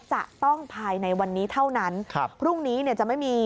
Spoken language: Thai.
จะต้องพายในวันนี้เท่านั้นครุ่งนี้จะไม่มี